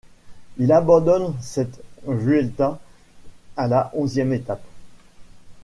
Il abandonne cette Vuelta à la onzième étape.